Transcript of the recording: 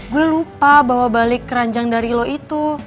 gue lupa bawa balik keranjang dari lo itu